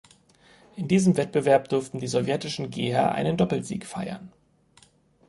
In diesem Wettbewerb durften die sowjetischen Geher einen Doppelsieg feiern.